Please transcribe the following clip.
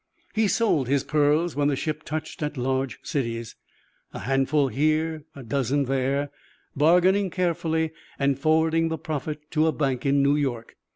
He sold his pearls when the ship touched at large cities a handful here and a dozen there, bargaining carefully and forwarding the profit to a bank in New York.